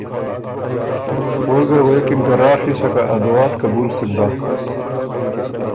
اول ګه غوېکِن که راڒی سکه ا دعا ت سکه قبول سُک بۀ